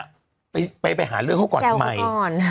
อยู่แล้วก็ไปหาเรื่องเขาไปใจ่ก่อน